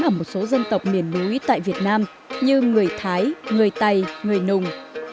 ở một số dân tộc miền núi tại việt nam như người thái người tày người nùng